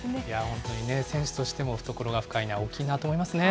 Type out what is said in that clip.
本当にね、選手としても懐が深いな、大きいなと思いますね。